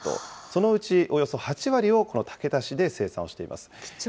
そのうちおよそ８割をこの竹田市で生産をしています。